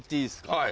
はい。